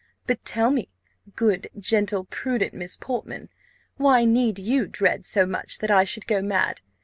But tell me, good, gentle, prudent Miss Portman, why need you dread so much that I should go mad?